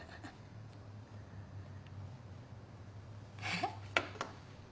えっ？